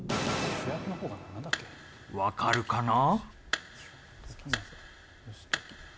わかるかな？